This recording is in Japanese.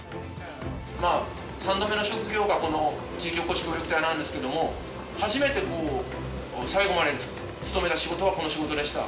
まあ３度目の職業がこの地域おこし協力隊なんですけども初めて最後まで勤めた仕事がこの仕事でした。